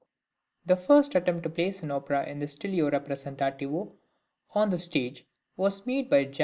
The first attempt to place an opera in this stilo rappresentativo on the stage was made by Jac.